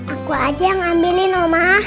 aku aja yang ambilin ma